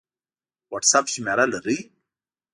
وټس اپ شمېره لرئ؟